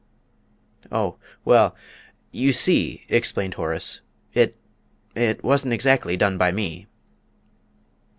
"Oh, well, you see," explained Horace, "it it wasn't exactly done by me."